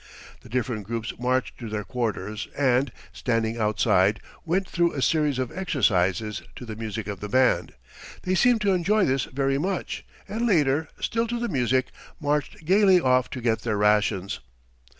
The different groups marched to their quarters and, standing outside, went through a series of exercises to the music of the band. They seemed to enjoy this very much, and later, still to the music, marched gaily off to get their rations.